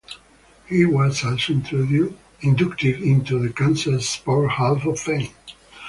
He was also inducted into the Kansas Sports Hall of Fame.